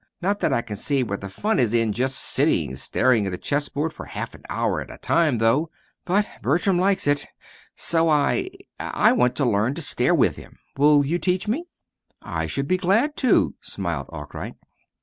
Not that I can see where the fun is in just sitting staring at a chessboard for half an hour at a time, though! But Bertram likes it, and so I I want to learn to stare with him. Will you teach me?" "I should be glad to," smiled Arkwright.